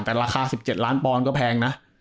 แต่ราคา๑๗ล้านพรก็แพงนะ